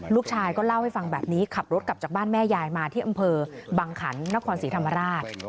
ลูกชายก็เล่าให้ฟังแบบนี้ขับรถกลับจากบ้านแม่ยายมาที่อำเภอบังขันนครศรีธรรมราช